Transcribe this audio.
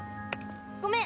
ごめん！